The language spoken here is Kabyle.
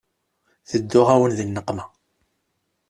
Tedduɣ-awen di nneqma.